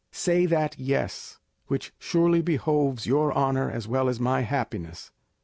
Say that yes, which surely behoves your honour as well as my happiness.